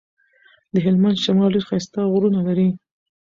د هلمند شمال ډير ښايسته غرونه لري.